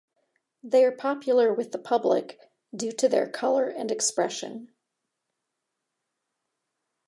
They are popular with the public due to their colour and expression.